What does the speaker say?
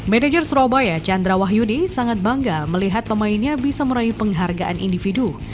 manager surabaya chandra wahyudi sangat bangga melihat pemainnya bisa meraih penghargaan individu